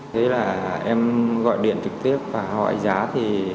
thế là em gọi điện trực tiếp và hỏi giá thì